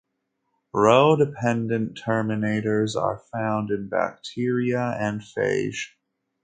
Rho-dependent terminators are found in bacteria and phage.